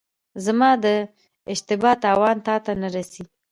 زما د اشتبا تاوان تاته نه رسي.